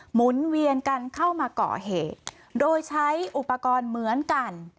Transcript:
หมุนเวียนกันเข้ามาก่อเหตุโดยใช้อุปกรณ์เหมือนกัน